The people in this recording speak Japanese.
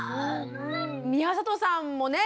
宮里さんもね